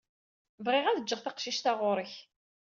Bɣiɣ ad d-jjeɣ taqcict-a ɣer-k.